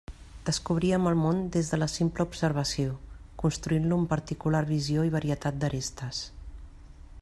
Descobríem el món des de la simple observació, construint-lo amb particular visió i varietat d'arestes.